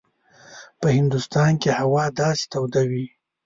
په هندوستان کې هوا داسې توده وي.